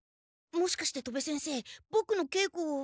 もしかして戸部先生ボクのけいこを。